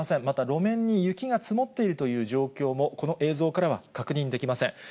また、路面に雪が積もっているという状況も、この映像からは確認できません。